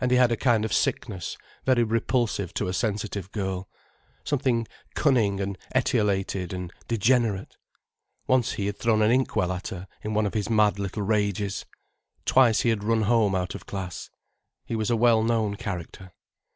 And he had a kind of sickness very repulsive to a sensitive girl, something cunning and etiolated and degenerate. Once he had thrown an ink well at her, in one of his mad little rages. Twice he had run home out of class. He was a well known character.